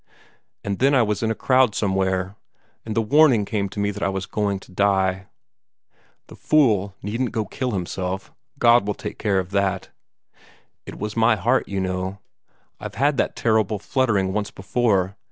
And then I was in a crowd somewhere, and the warning came to me that I was going to die. The fool needn't go kill himself: God would take care of that. It was my heart, you know. I've had that terrible fluttering once before.